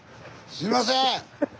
すいません！